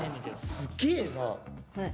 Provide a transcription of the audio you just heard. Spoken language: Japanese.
すげえな。